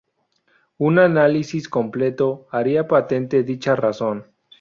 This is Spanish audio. Un análisis completo haría patente dicha razón.